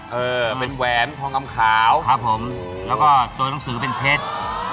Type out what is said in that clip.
เป็นแหวนทองกำขาวแล้วก็ตัวหนังสือเป็นเพชร